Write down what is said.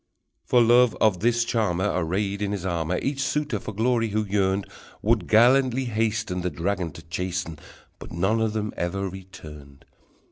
For love of the charmer, Arrayed in his armor, Each suitor for glory who yearned, Would gallantly hasten, The dragon to chasten, But none of them ever returned!